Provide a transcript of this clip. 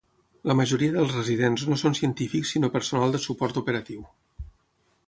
La majoria dels residents no són científics sinó personal de suport operatiu.